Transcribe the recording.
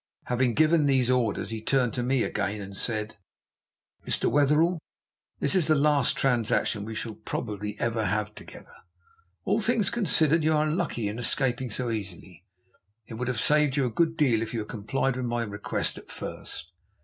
Having given these orders he turned to me again and said: "'Mr. Wetherell, this is the last transaction we shall probably ever have together. All things considered, you are lucky in escaping so easily. It would have saved you a good deal if you had complied with my request at first.